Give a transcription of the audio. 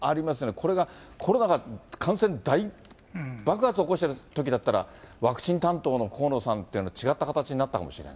これがコロナが感染大爆発を起こしてるときだったら、ワクチン担当の河野さんっていう、違った形になったかもしれない。